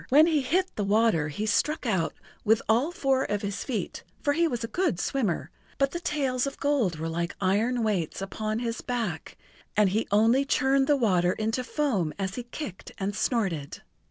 When he hit the water he struck out with all four of his feet, for he was a good swimmer, but the tails of gold were like iron weights upon his back, and he only churned the water into foam as he kicked and snorted.